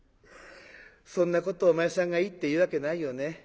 そんなことお前さんがいいって言うわけないよね。